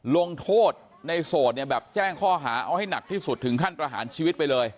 ลงโทษในโสดเนี่ยแบบแจ้งข้อหาเอาให้หนักที่สุดถึงขั้นประหารชีวิตไปเลย